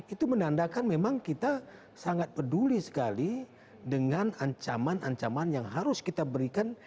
itu menandakan memang kita sangat peduli sekali dengan ancaman ancaman yang harus kita berikan